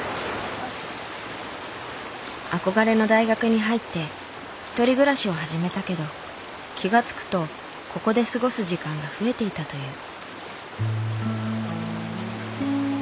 憧れの大学に入って１人暮らしを始めたけど気が付くとここで過ごす時間が増えていたという。